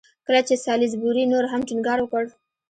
کله چې سالیزبوري نور هم ټینګار وکړ.